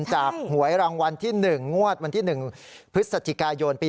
หวยรางวัลที่๑งวดวันที่๑พฤศจิกายนปี๒๕